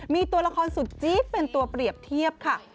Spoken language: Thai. มีตัวละครสุดจี๊ดเป็นตัวเปรียบเทียบค่ะ